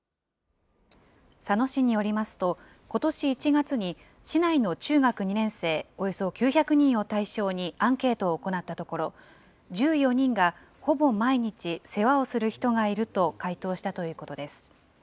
佐野市によりますと、ことし１月に市内の中学２年生およそ９００人を対象にアンケートを行ったところ、１４人がほぼ毎日世話をする人がいると回答したということです。